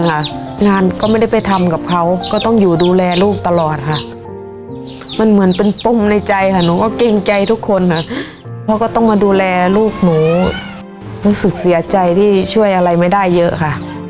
หนูรักน้องนิวตันมาก